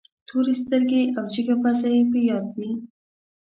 تورې سترګې او جګه پزه یې په یاد دي.